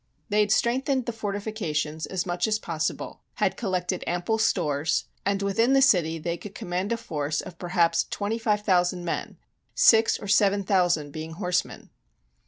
They had strengthened the fortifications as much as possible, had collected ample stores, and within the city they could command a force of per haps twenty five thousand men, six or seven thou sand being horsemen.